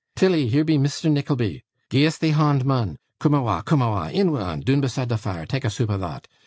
Tilly, here be Misther Nickleby. Gi' us thee hond, mun. Coom awa', coom awa'. In wi 'un, doon beside the fire; tak' a soop o' thot.